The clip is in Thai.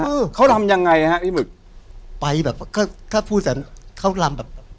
เออเขารำยังไงฮะพี่หมึกไปแบบก็ถ้าพูดแต่เขารำแบบ